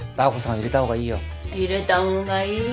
入れた方がいいよ。